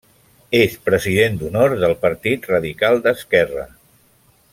És president d'honor del Partit Radical d'Esquerra.